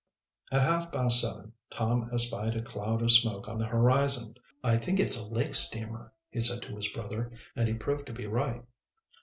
At half past seven Tom espied a cloud of smoke on the horizon. "I think it's a lake steamer," he said to his brother, and he proved to be right.